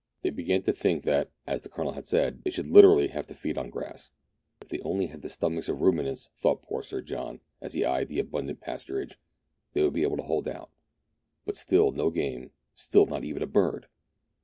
They began to think that, as the Colonel had said, they should literally have to feed on grass. If they only had the stomachs of ruminants, thought poor Sir John, as he eyed the abundant pasturage, they would be able to hold out ; but still no game, still not even a bird